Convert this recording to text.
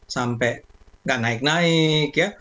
sampai nggak naik naik ya